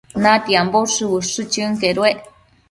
Natiambo ushë chënquedued